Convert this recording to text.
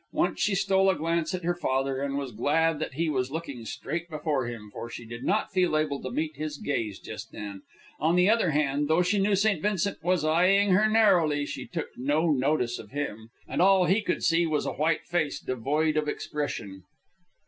Once she stole a glance at her father, and was glad that he was looking straight before him, for she did not feel able to meet his gaze just them. On the other hand, though she knew St. Vincent was eying her narrowly, she took no notice of him, and all he could see was a white face devoid of expression.